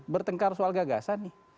bertengkar soal gagasan nih